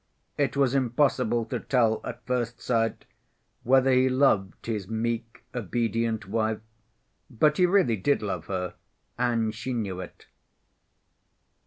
It was impossible to tell at first sight whether he loved his meek, obedient wife; but he really did love her, and she knew it.